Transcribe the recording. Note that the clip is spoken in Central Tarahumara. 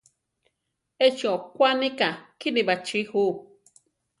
Échi okwaníka kíni baʼchí ju.